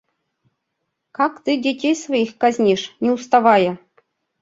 Как ты детей своих казнишь, не уставая?